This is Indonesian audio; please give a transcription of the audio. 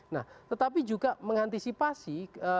nah tetapi juga mengantisipasi